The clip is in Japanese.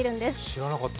知らなかった。